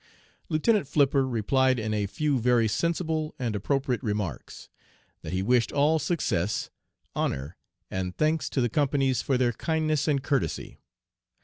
"Lieutenant Flipper replied in a few very sensible and appropriate remarks: That he wished all success, honor, and thanks to the companies for their kindness and courtesy.